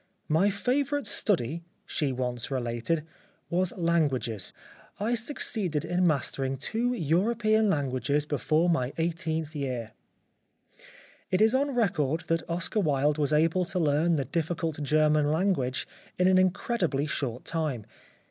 " My favourite study," she once related, " was languages ; I succeeded in mastering two European languages before my eighteenth year." It is on record that Oscar Wilde was able to learn the difficult German 30 The Life of Oscar Wilde language in an incredibly short time.